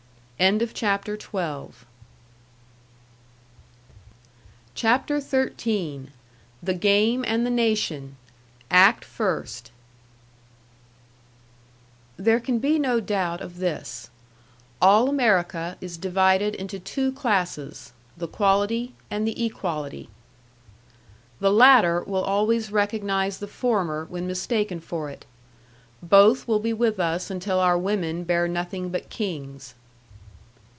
XIII. THE GAME AND THE NATION ACT FIRST There can be no doubt of this: All America is divided into two classes, the quality and the equality. The latter will always recognize the former when mistaken for it. Both will be with us until our women bear nothing but kings.